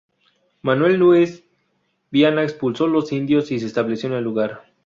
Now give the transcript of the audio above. Manuel Nunes Viana expulsó los indios y se estableció en el lugar.